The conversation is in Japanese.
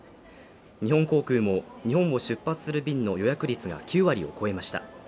日本航空も日本を出発する便の予約率が９割を超えました。